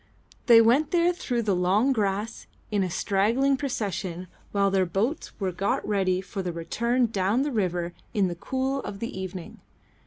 They went there through the long grass in a straggling procession while their boats were got ready for the return down the river in the cool of the evening.